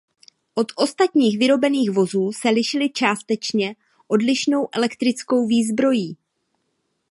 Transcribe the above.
Od ostatních vyrobených vozů se lišily částečně odlišnou elektrickou výzbrojí.